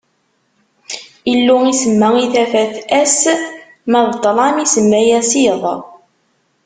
Illu isemma i tafat ass, ma d ṭṭlam isemma-as iḍ.